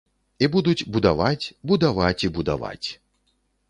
І будуць будаваць, будаваць і будаваць.